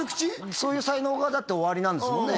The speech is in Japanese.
そういう才能がだっておありなんですもんね